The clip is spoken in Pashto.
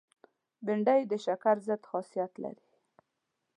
بېنډۍ د شکر ضد خاصیت لري